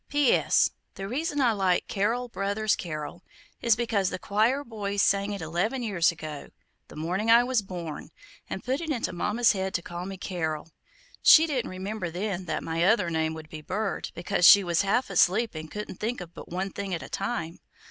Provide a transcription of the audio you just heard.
P.S. The reason I like 'Carol, brothers, carol,' is because the choir boys sang it eleven years ago, the morning I was born, and put it into Mama's head to call me Carol. She didn't remember then that my other name would be Bird, because she was half asleep, and couldn't think of but one thing at a time.